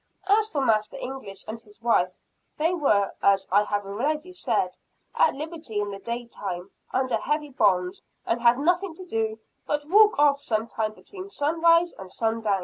As for Master English and his wife, they were, as I have already said, at liberty in the day time, under heavy bonds; and had nothing to do but walk off sometime between sunrise and sundown.